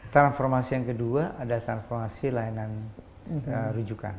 transformasi yang kedua adalah transformasi layanan rujukan